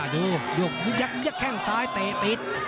ดูยกแค่งซ้ายเตะปิด